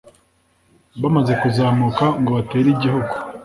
bamaze kuzamuka ngo batere igihugu